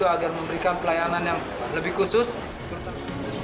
agar memberikan pelayanan yang lebih khusus